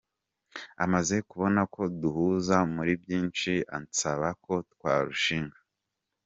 Amaze kubona ko duhuza muri byinshi ansaba ko twarushinga.